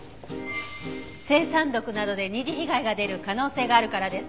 青酸毒などで二次被害が出る可能性があるからです。